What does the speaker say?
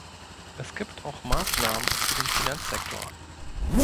Es gibt auch Maßnahmen für den Finanzsektor.